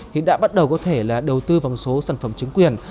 thì đã bắt đầu có thể là đầu tư vào một số sản phẩm chứng quyền